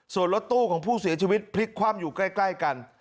ส่วนรถตู้ของผู้เสียชีวิตพลิกคว่ำอยู่ใกล้กัน